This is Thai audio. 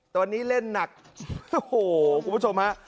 แต่วันนี้เล่นหนักโหครับคุณผู้ชม